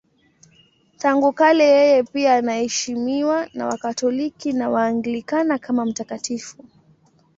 Tangu kale yeye pia anaheshimiwa na Wakatoliki na Waanglikana kama mtakatifu.